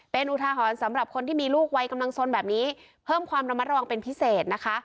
เป็นอุทาหรณ์สำหรับคนที่มีลูกวัยกำลังสนแบบนี้เพิ่มความระมัดระวังเป็นพิเศษนะคะ